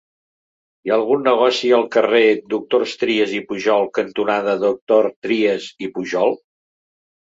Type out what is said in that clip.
Hi ha algun negoci al carrer Doctors Trias i Pujol cantonada Doctors Trias i Pujol?